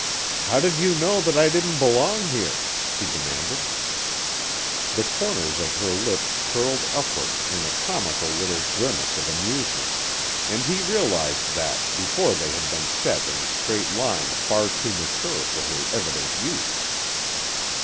"How did you know that I didn't belong here?" he demanded. The corners of her lips curled upward in a comical little grimace of amusement, and he realized that before they had been set in a straight line far too mature for her evident youth.